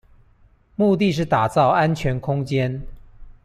目的是打造安全空間